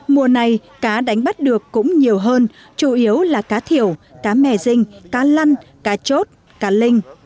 mùa này cá đánh bắt được cũng nhiều hơn chủ yếu là cá thiểu cá mè dinh cá lăn cá chốt cá linh